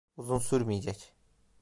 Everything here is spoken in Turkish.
Uzun sürmeyecek.